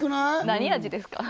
何味ですか？